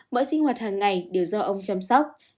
mỗi sinh hoạt hàng ngày đều do ông chăm sóc